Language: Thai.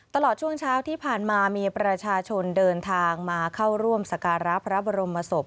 ตลอดช่วงเช้าที่ผ่านมามีประชาชนเดินทางมาเข้าร่วมสการะพระบรมศพ